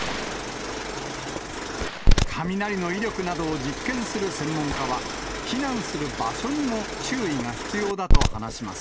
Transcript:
雷の威力などを実験する専門家は、避難する場所にも注意が必要だと話します。